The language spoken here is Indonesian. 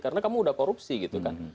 karena kamu udah korupsi gitu kan